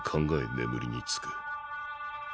眠りにつく。